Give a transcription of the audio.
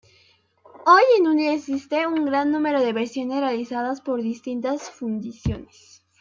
Hoy en día existe un gran número de versiones realizadas por distintas fundiciones.